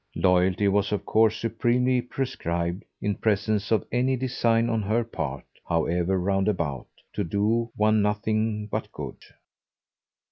Loyalty was of course supremely prescribed in presence of any design on her part, however roundabout, to do one nothing but good.